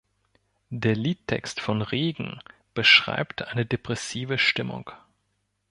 Der Liedtext von "Regen" beschreibt eine depressive Stimmung.